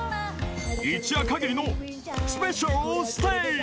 ［一夜限りのスペシャルステージ］